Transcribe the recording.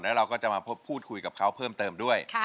แล้วเราก็จะมาพบพูดคุยกับเขาเพิ่มเติมด้วย